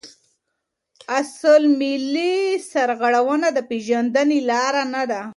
اصل ملي سرغړونه د پیژندني لاره نده.